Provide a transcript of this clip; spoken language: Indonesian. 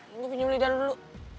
gue pinjem lidah dulu